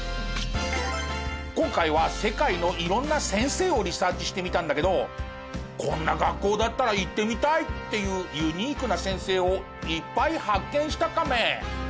今回は世界の色んな先生をリサーチしてみたんだけどこんな学校だったら行ってみたいっていうユニークな先生をいっぱい発見したカメ。